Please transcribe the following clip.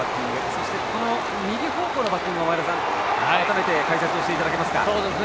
そして右方向のバッティング前田さん、改めて解説をしていただけますか。